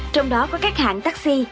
trong đó có các hãng taxi